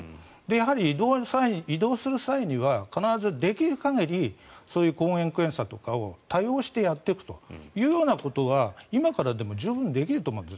やはり移動する際には必ずできる限りそういう抗原検査とかを多用してやっていくということが今からでも十分できると思うんです。